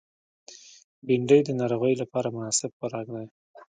بېنډۍ د ناروغانو لپاره مناسب خوراک دی